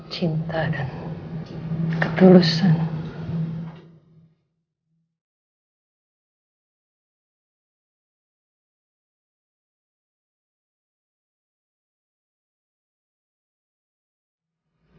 cinta dan ketulusan